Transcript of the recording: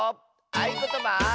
「あいことば」。